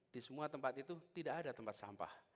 di semua tempat itu tidak ada tempat sampah